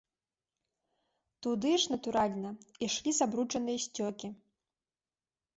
Туды ж, натуральна, ішлі забруджаныя сцёкі.